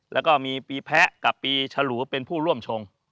แล้วก็มีปีแพ้กับปีฉลูเป็นผู้ร่วมชง